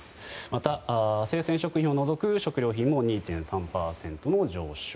また、生鮮食品を除く食料品も２．３％の上昇。